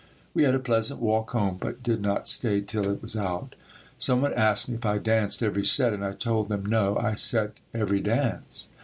We had a pleasant walk home but did not stay till it was out. Some one asked me if I danced every set and I told them no, I set every dance.